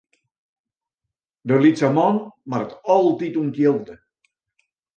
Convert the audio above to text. De lytse man moat it altyd ûntjilde.